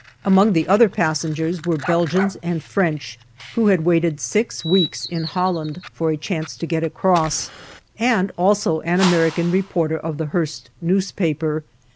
Among the other passengers were Belgians and French, who had waited six weeks in Holland for a chance to get across, and also an American reporter of the Hearst newspaper.